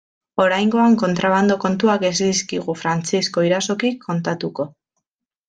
Oraingoan kontrabando kontuak ez dizkigu Frantzisko Irazokik kontatuko.